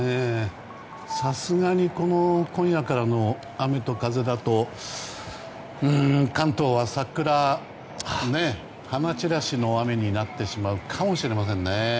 さすがにこの今夜からの雨と風だと関東は、桜花散らしの雨になってしまうかもしれませんね。